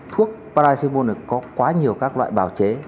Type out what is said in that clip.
thuốc paracetamol này có quá nhiều các loại bảo chế